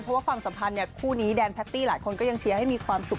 เพราะว่าความสัมพันธ์คู่นี้แดนแพตตี้หลายคนก็ยังเชียร์ให้มีความสุข